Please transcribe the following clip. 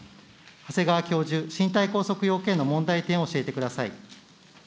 長谷川教授、身体拘束要件の問題点を教えてください。